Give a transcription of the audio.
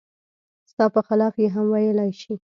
ستا په خلاف یې هم ویلای شي.